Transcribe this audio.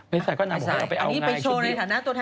ไปใส่ก็นางบอกให้ไปเอาไง